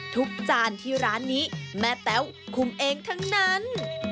จานที่ร้านนี้แม่แต้วคุมเองทั้งนั้น